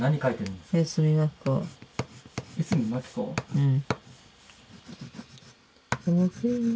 うん。